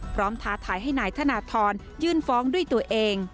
พร้อมท้าทายให้นายธนาธรณ์ยื่นฟ้องด้วยตัวเอง